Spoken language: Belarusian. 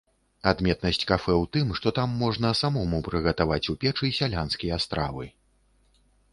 Адметнасць кафэ ў тым, што там можна самому прыгатаваць у печы сялянскія стравы.